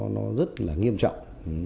nó rất là nghiêm trọng